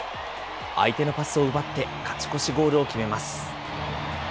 相手のパスを奪って勝ち越しゴールを決めます。